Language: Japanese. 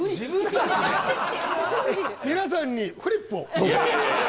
皆さんにフリップを。